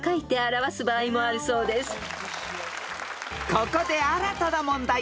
［ここで新たな問題を追加］